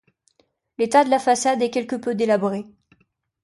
L'état de la façade est quelque peu délabré.